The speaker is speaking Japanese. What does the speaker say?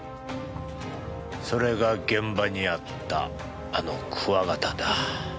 それが現場にあったあのクワガタだ。